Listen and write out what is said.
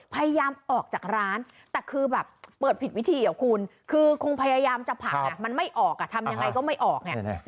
พยายามออกจากร้านแต่คือแบบเปิดผิดวิธีอ่ะคุณคือคงพยายามจะผลักมันไม่ออกทำยังไงก็ไม่ออก